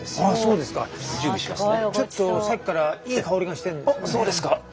あっそうですか。